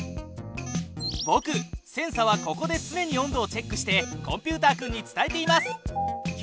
ぼくセンサはここでつねに温度をチェックしてコンピュータ君に伝えています。